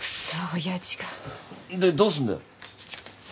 でどうすんだよ。